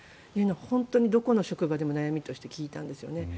本当にどこの職場でも悩みとして聞いたんですよね。